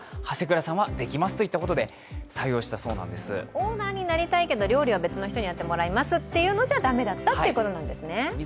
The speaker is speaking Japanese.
オーナーになりたいけど料理は別の人にやってもらいますということじゃ駄目だったわけですね。